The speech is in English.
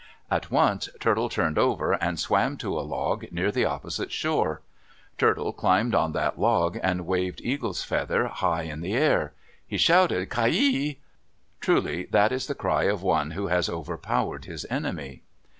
At once Turtle turned over and swam to a log near the opposite shore. Turtle climbed on that log, and waved Eagle's feather high in the air. He shouted, "Ki he." Truly, that is the cry of one who has overpowered his enemy.